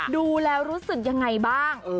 ดูแล้วรู้สึกยังไงบ้าง